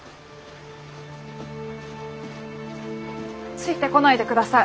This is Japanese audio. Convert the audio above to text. ついてこないでください。